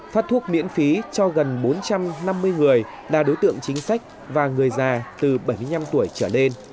phát thuốc miễn phí cho gần bốn trăm năm mươi người là đối tượng chính sách và người già từ bảy mươi năm tuổi trở lên